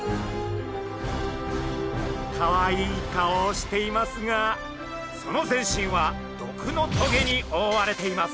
かわいい顔をしていますがその全身は毒の棘におおわれています。